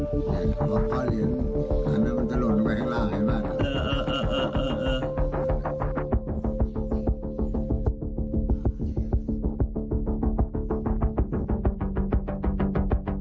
พอเรียนอันนั้นมันจะลดไปข้างล่างข้างล่าง